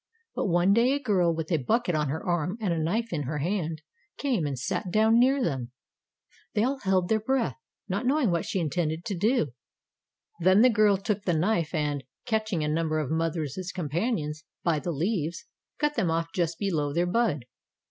But one day a girl, with a bucket on her arm and a knife in her hand, came and sat down near them. They all held their breath, not knowing what she intended to do. Then the girl took the knife and, catching a number of mother's companions by the leaves, cut them off just below their bud.